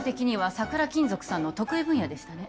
桜金属さんの得意分野でしたね